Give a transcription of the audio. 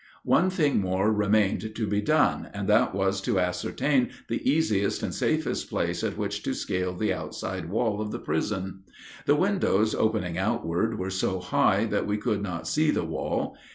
One thing more remained to be done, and that was to ascertain the easiest and safest place at which to scale the outside wall of the prison. The windows opening outward were so high that we could not see the wall.